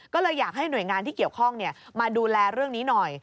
ก็เลยอยากให้หน่วยงานที่เกี่ยวข้องมาดูแลเรื่องนี้หน่อย